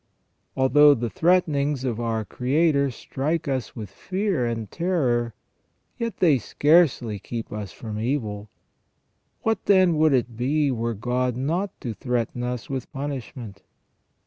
Although the threatenings of our Creator strike us with fear and terror, yet they scarcely keep us from evil. What, then, would it be were God not to threaten us with punish ment